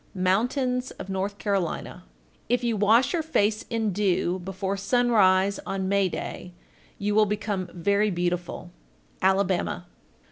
Mountains of North Carolina. 1405. If you wash your face in dew before sunrise on May Day, you will become very beautiful. _Alabama.